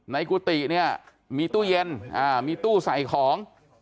กุฏิเนี่ยมีตู้เย็นมีตู้ใส่ของ